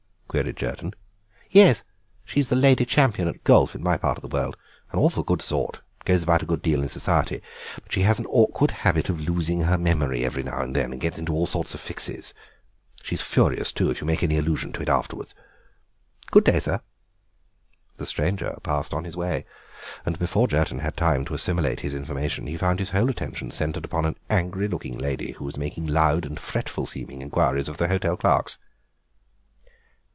queried Jerton. "Yes, she's the Lady Champion at golf in my part of the world. An awful good sort, and goes about a good deal in Society, but she has an awkward habit of losing her memory every now and then, and gets into all sorts of fixes. She's furious, too, if you make any allusion to it afterwards. Good day, sir." The stranger passed on his way, and before Jerton had had time to assimilate his information he found his whole attention centred on an angry looking lady who was making loud and fretful seeming inquiries of the hotel clerks.